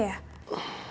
ini masih malem ya